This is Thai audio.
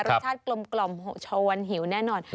รสชาติกลมชาววันหิวแน่นอน